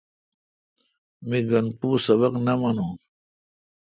می گن پو سبق نہ مانون۔